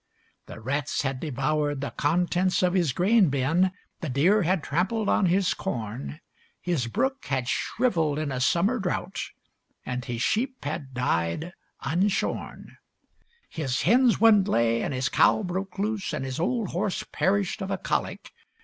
The rats had devoured the contents of his grain bin, The deer had trampled on his corn, His brook had shrivelled in a summer drought, And his sheep had died unshorn. His hens wouldn't lay, and his cow broke loose, And his old horse perished of a colic.